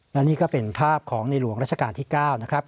และนี่ก็เป็นภาพของในหลวงราชการที่๙นะครับ